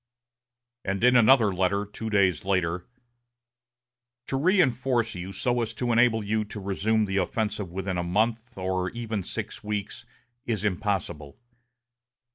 And in another letter, two days later: "To reinforce you so as to enable you to resume the offensive within a month, or even six weeks, is impossible....